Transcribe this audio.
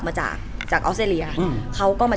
รู้ความสัมภัณฑ์มันไปกันอยู่แล้ว